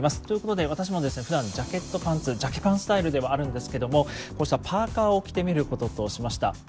ということで私もですねふだんジャケットパンツジャケパンスタイルではあるんですけどもこうしたパーカーを着てみることとしました。